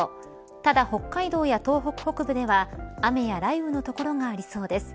ただ北海道や東北北部では雨や雷雨の所がありそうです。